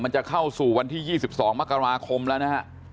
จะเข้าสู่วันที่๒๒มกราคมแล้วนะฮะ